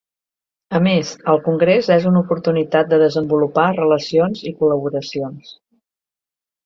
A més, el Congrés és una oportunitat de desenvolupar relacions i col·laboracions.